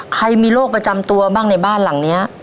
ใครมีโรคประจำตัวบ้างในบ้านหลังนี้